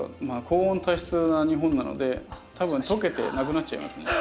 高温多湿な日本なので多分溶けて無くなっちゃいますね。